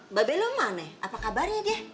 mbak belum mana apa kabarnya dia